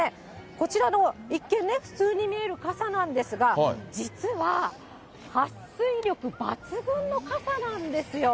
こちらの一見ね、普通に見える傘なんですが、実ははっ水力抜群の傘なんですよ。